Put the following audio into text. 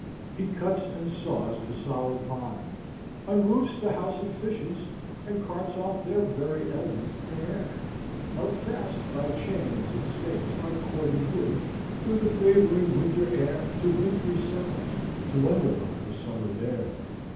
He cuts and saws the solid pond, unroofs the house of fishes, and carts off their very element and air, held fast by chains and stakes like corded wood, through the favoring winter air, to wintry cellars, to underlie the summer there.